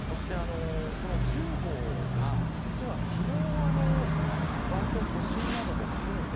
この１０号が実は昨日割と都心なども含めて